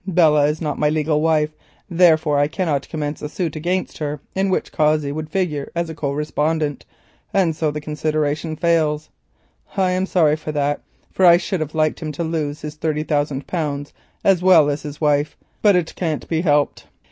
Belle is not my legal wife, therefore I cannot commence a suit against her in which Cossey would figure as co respondent, and so the consideration fails. I am sorry, for I should have liked him to lose his thirty thousand pounds as well as his wife, but it can't be helped.